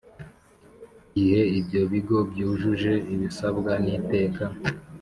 Gihe ibyo bigo byujuje ibisabwa n iteka